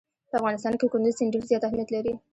په افغانستان کې کندز سیند ډېر زیات اهمیت لري.